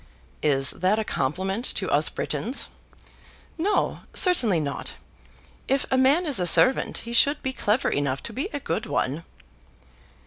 "Is that a compliment to us Britons?" "No, certainly not. If a man is a servant, he should be clever enough to be a good one."